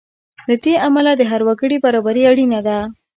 له دې امله د هر وګړي برابري اړینه ده.